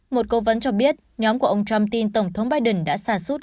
một cố vấn cho biết nhóm của ông trump tin tổng thống biden đã xả sút